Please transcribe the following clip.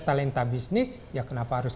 talenta bisnis ya kenapa harus